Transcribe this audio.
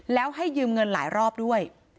แล้วให้ยืมเงินหลายรอบด้วย